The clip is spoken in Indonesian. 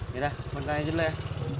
yaudah bang tanya dulu ya